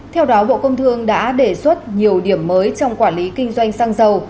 theo đó bộ công thương đã đề xuất nhiều điểm mới trong quản lý kinh doanh xăng dầu